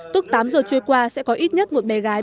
tức tám giờ trôi qua sẽ có ít nhất một bé gái